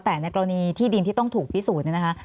แต่ในกรณีที่ดินที่ต้องถูกพิสูจน์เนี่ยนะคะ